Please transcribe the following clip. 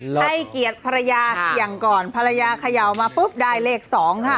ให้เกียรติภรรยาเสี่ยงก่อนภรรยาเขย่ามาปุ๊บได้เลข๒ค่ะ